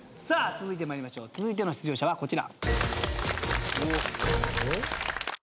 続いての出場者はこちら。